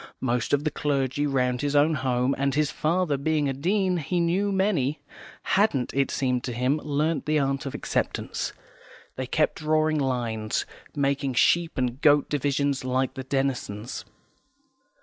Most of the clergy round his own home and, his father being a Dean, he knew many hadn't, it seemed to him, learnt the art of acceptance; they kept drawing lines, making sheep and goat divisions, like the Denisons.